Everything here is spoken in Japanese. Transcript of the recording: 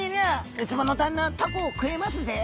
ウツボの旦那はタコを食えますぜ」。